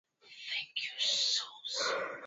na wa wamwambie hapana bwana zuia